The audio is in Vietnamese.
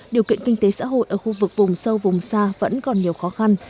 điều kiện kinh tế xã hội ở khu vực vùng sâu vùng xa vẫn còn nhiều khó khăn